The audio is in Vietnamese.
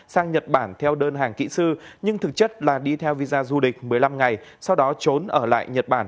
sang nhật bản theo đơn hàng kỹ sư nhưng thực chất là đi theo visa du lịch một mươi năm ngày sau đó trốn ở lại nhật bản